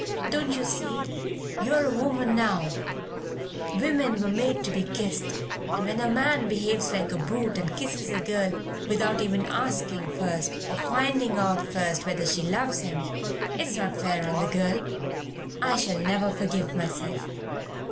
Don't you see you're a woman now women were made to be kissed, and when a man behaves like a brute and kisses a girl without even asking first, or finding out first whether she loves him, it's not fair on the girl. I shall never forgive myself.